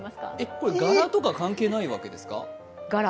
これ柄とか関係ないわけですか？